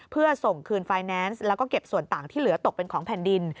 เพื่อส่งคืนไฟแนนซ์แล้วก็เก็บส่วนต่างที่เหลือตกเป็นของแผ่นดิน